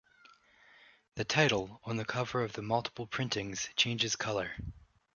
The title on the cover of the multiple printings changes color.